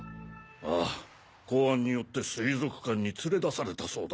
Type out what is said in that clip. ああ公安によって水族館に連れ出されたそうだ。